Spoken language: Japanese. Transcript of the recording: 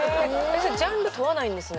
それジャンル問わないんですね。